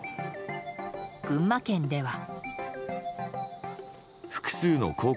群馬県では。